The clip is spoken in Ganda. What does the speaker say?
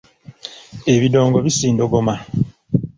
Ebidongo bisindogoma.